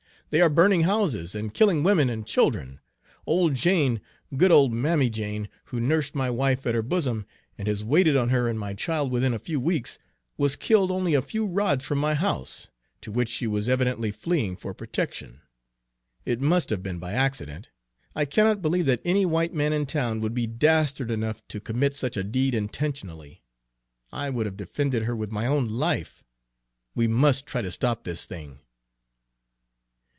"They are burning houses and killing women and children. Old Jane, good old Mammy Jane, who nursed my wife at her bosom, and has waited on her and my child within a few weeks, was killed only a few rods from my house, to which she was evidently fleeing for protection. It must have been by accident, I cannot believe that any white man in town would be dastard enough to commit such a deed intentionally! I would have defended her with my own life! We must try to stop this thing!"